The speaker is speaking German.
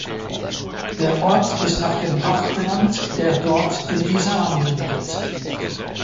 Der Ort ist nach dem Bach benannt, der dort in die Saar mündet.